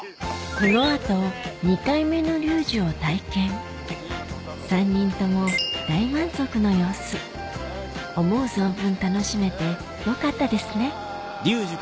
この後２回目のリュージュを体験３人とも大満足の様子思う存分楽しめてよかったですね